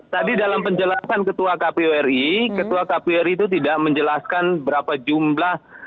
tadi dalam penjelasan ketua kpu ri ketua kpu ri itu tidak menjelaskan berapa jumlah